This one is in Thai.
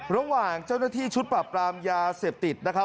ระหว่างเจ้าหน้าที่ชุดปรับปรามยาเสพติดนะครับ